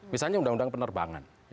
misalnya undang undang penerbangan